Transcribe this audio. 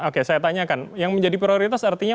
oke saya tanyakan yang menjadi prioritas artinya